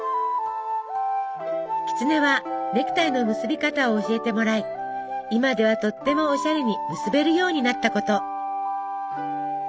キツネはネクタイの結び方を教えてもらい今ではとってもオシャレに結べるようになったこと。